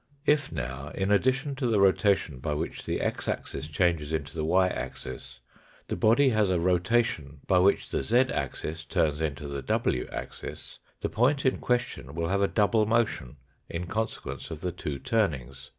If, now, in addition to the rotation by which the x axis changes into the y axis the body has a rotation by which the z axis turns into the w axis, the point in question will have a double motion in consequence of the two turnings.